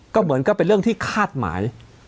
ก็เหมือนก็เป็นเรื่องที่คาดหมาย